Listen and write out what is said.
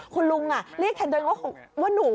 คุณลุงเรียกแทนโดยโง่ว่าหนู